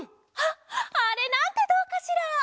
あっあれなんてどうかしら？